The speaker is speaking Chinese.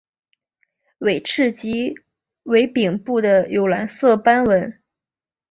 尾鳍及尾柄部有蓝色斑纹。